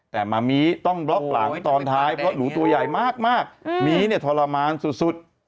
แต่มามีต้องบล็อกหลังตอนท้ายเพราะหนูตัวใหญ่มากมีเนี่ยทรมานสุด